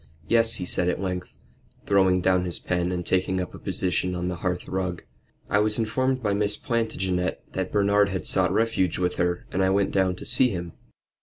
"Yes," he said at length, throwing down his pen and taking up a position on the hearth rug. "I was informed by Miss Plantagenet that Bernard had sought refuge with her, and I went down to see him."